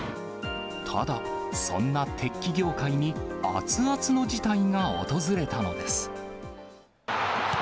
ただ、そんな鉄器業界に、熱々の事態が訪れたのです。